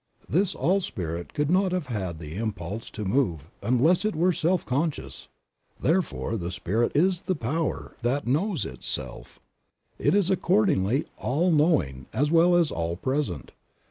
This All Spirit could not have had the impulse to move unless It were self conscious, therefore the Spirit is the Power that knows Itself ; It is accordingly All Knowing as well as All Present.